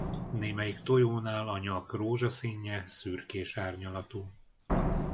Némelyik tojónál a nyak rózsaszínje szürkés árnyalatú.